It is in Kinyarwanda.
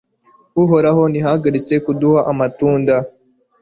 Uhoraho ntiyahagaritse kuduha amatunda